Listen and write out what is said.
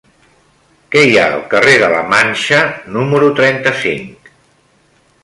Què hi ha al carrer de la Manxa número trenta-cinc?